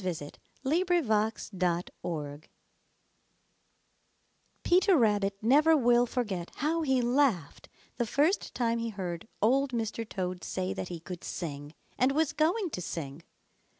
TOAD LEARNED TO SING Peter Rabbit never will forget how he laughed the first time he heard Old Mr. Toad say that he could sing and was going to sing.